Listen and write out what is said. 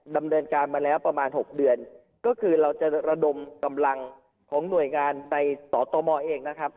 ดำเนินการมาแล้วประมาณหกเดือนก็คือเราจะระดมกำลังของหน่วยงานในสตมเองนะครับ